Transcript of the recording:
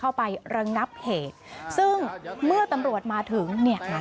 เข้าไปเริ่มนับเหตุซึ่งเมื่อตำรวจมาถึง